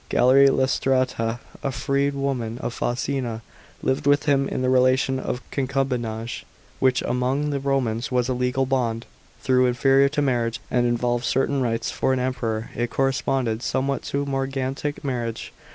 Gaieria Lysistrata, a freed woman of Faustina, lived with him in the relation of concubinage, which among the Romans was a legal bond, though inferior to marriage, and involved certain rights. For an Emperor it corresponded somewhat to a morganatic marriage.